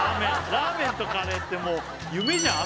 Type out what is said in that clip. ラーメンとカレーってもう夢じゃん